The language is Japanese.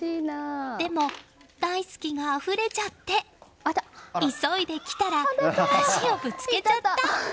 でも、大好きがあふれちゃって急いで来たら足をぶつけちゃった！